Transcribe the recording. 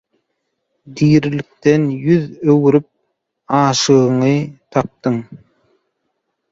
Dirilikden ýüz öwürip, aşygyňy tapdyň.